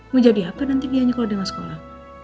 mau jadi apa nanti dia nyekolah dia gak sekolah